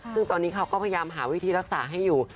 ซึ่งตอนนี้เขาก็พยายามหาวิธีรักษาให้อยู่